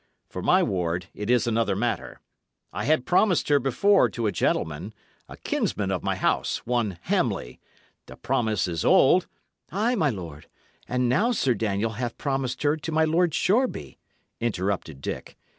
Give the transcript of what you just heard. For my ward, it is another matter; I had promised her before to a gentleman, a kinsman of my house, one Hamley; the promise is old " "Ay, my lord, and now Sir Daniel hath promised her to my Lord Shoreby," interrupted Dick.